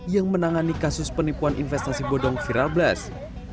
yang menangani kasus penipuan investasi bodong viral blast